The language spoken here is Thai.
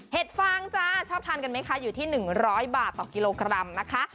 ฟางจ้าชอบทานกันไหมคะอยู่ที่๑๐๐บาทต่อกิโลกรัมนะคะ